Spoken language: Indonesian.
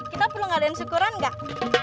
kita perlu ngadain syukuran gak